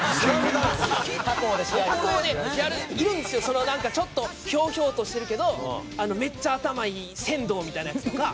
他校でやるいるんですよなんかちょっとひょうひょうとしてるけどめっちゃ頭いい仙道みたいなヤツとか。